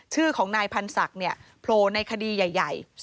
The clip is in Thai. ชื่อของนายพันธุ์ศักดิ์โพลในคดีใหญ่